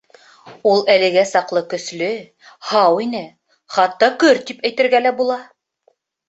Ул әлегә саҡлы көслө, һау ине, хатта көр тип әйтергә лә була.